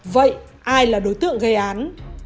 vậy ai là đối tượng gây án